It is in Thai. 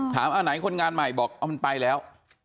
ไหนคนงานใหม่บอกเอามันไปแล้ว